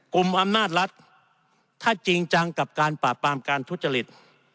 กลุ่มอำนาจรัฐถ้าจริงจังกับการปราบปรามการทุจริต